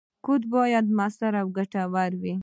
کوډ باید موثر او ګټور وي.